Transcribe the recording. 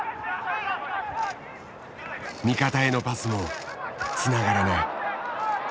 味方へのパスもつながらない。